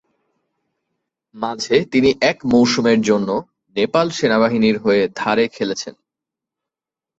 মাঝে তিনি এক মৌসুমে জন্য নেপাল সেনাবাহিনীর হয়ে ধারে খেলেছেন।